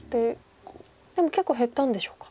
でも結構減ったんでしょうか。